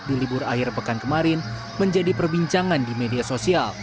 di libur akhir pekan kemarin menjadi perbincangan di media sosial